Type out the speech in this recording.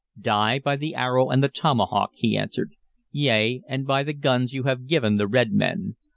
"Die by the arrow and the tomahawk," he answered, "yea, and by the guns you have given the red men.